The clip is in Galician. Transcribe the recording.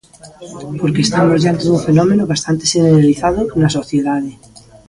Porque estamos diante dun fenómeno bastante xeneralizado na sociedade.